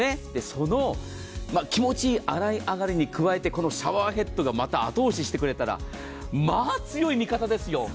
その気持ちいい洗い上がりに加えて、このシャワーヘッドが、また後押ししてくれたらまあ強い味方ですよ。